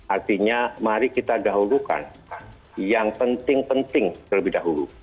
artinya mari kita dahulukan yang penting penting terlebih dahulu